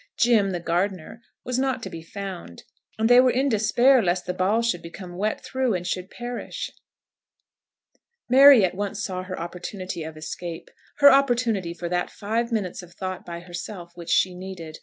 Jim, the gardener, was not to be found; and they were in despair lest the ball should become wet through and should perish. Mary at once saw her opportunity of escape, her opportunity for that five minutes of thought by herself which she needed.